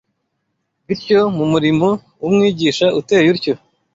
Bityo mu murimo w’umwigisha uteye utyo